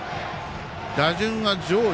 打順は上位。